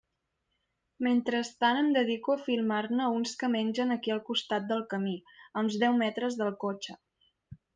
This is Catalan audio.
Mentrestant em dedico a filmar-ne uns que mengen aquí al costat del camí, a uns deu metres del cotxe.